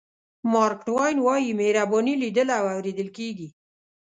مارک ټواین وایي مهرباني لیدل او اورېدل کېږي.